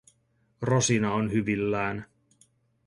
Rosina on hyvillään.